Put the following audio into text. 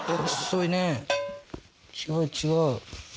違う違う。